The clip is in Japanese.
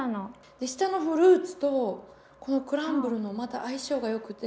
で下のフルーツとこのクランブルのまた相性がよくて。